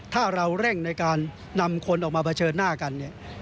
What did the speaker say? ถ้าเร่งในการนำคนออกมาเผชิญหน้ากัน